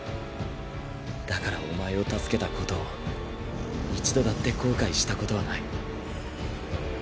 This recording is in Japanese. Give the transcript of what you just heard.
だからお前を助けたことを一度だって後悔したことはない。